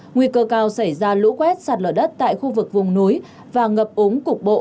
nguy cơ cao xảy ra lũ quét sạt lở đất tại khu vực vùng núi và ngập ống cục bộ